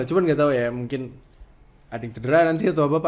cuma gak tau ya mungkin ada yang terderah nanti atau apa